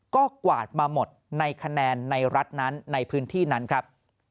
ก็กวาดมาหมดในคะแนนในรัฐนั้นในพื้นที่นั้นครับ